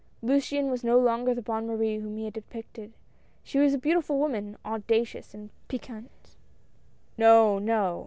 Luciane was no longer the Bonne Marie whom he had depicted — she was a beau tiful woman, audacious and piquante. "No, no!